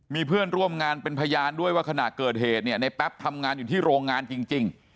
มีเพื่อนร่วมงานเป็นพยานด้วยว่าขณะเกิดเหตุเนี่ยในแป๊บทำงานอยู่ที่โรงงานจริง